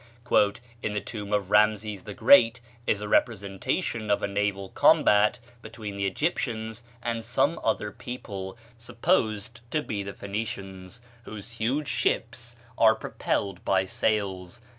"In the tomb of Rameses the Great is a representation of a naval combat between the Egyptians and some other people, supposed to be the Phoenicians, whose huge ships are propelled by sails."